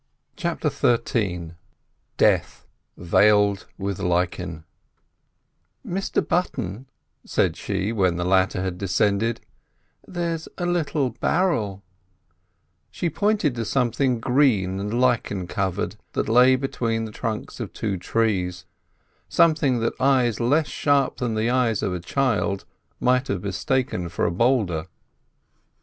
CHAPTER XIII DEATH VEILED WITH LICHEN "Mr Button," said she, when the latter had descended, "there's a little barrel"; she pointed to something green and lichen covered that lay between the trunks of two trees—something that eyes less sharp than the eyes of a child might have mistaken for a boulder.